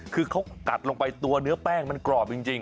คือเขากัดลงไปตัวเนื้อแป้งมันกรอบจริง